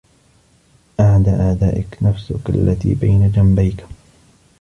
أَعْدَى أَعْدَائِك نَفْسُك الَّتِي بَيْنَ جَنْبَيْك